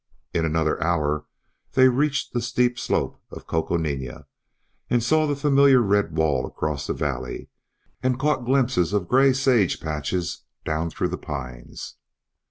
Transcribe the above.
In another hour they reached the steep slope of Coconina, and saw the familiar red wall across the valley, and caught glimpses of gray sage patches down through the pines.